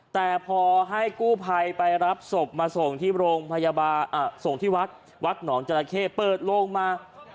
แต่พอให้กู้ภัยไปรับศพมาส่งที่โรงพยาบาลส่งที่วัดวัดหนองจราเข้เปิดโลงมา